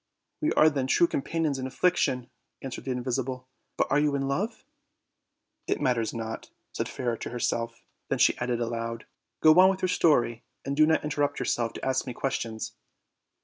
"We are then true companions in affliction," answered the invisible. "But you are irr love?" "It matters not," said Fairer to herself; then she added aloud: "Go on with your story, and do not inter rupt yourself to ask me questions."